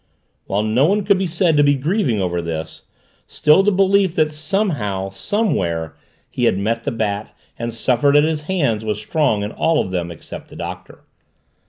While no one could be said to be grieving over this, still the belief that somehow, somewhere, he had met the Bat and suffered at his hands was strong in all of them except the Doctor.